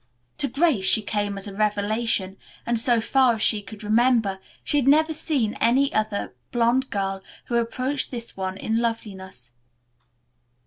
To Grace she came as a revelation, and, so far as she could remember, she had never seen any other blonde girl who approached this one in loveliness.